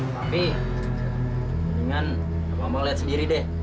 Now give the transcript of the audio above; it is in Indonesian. tapi mendingan bapak mau lihat sendiri dede